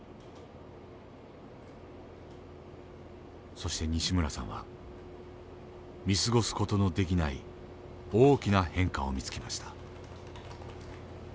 そして西村さんは見過ごす事のできない大きな変化を見つけました。